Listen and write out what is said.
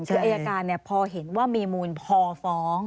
คืออายการพอเห็นว่ามีมูลพอฟ้อง